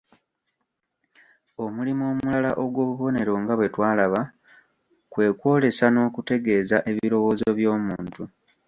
Omulimo omulala ogw'obubonero nga bwe twalaba, kwe kwolesa n'okutegeeza ebirowoozo by'omuntu.